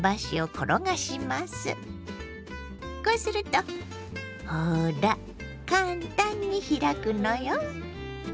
こうするとほら簡単に開くのよ。